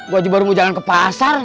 gue aja baru mau jalan ke pasar